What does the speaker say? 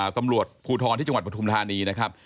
ตำรวจภูทรที่ปฐภายหลานีนะครับ